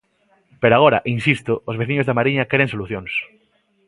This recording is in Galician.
Pero agora, insisto, os veciños da Mariña queren solucións.